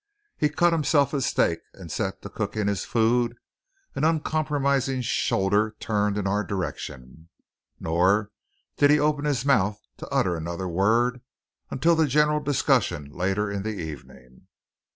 He cut himself a steak and set to cooking his food, an uncompromising shoulder turned in our direction; nor did he open his mouth to utter another word until the general discussion later in the evening.